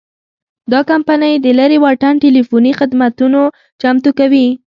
دا کمپنۍ د لرې واټن ټیلیفوني خدمتونه چمتو کوي.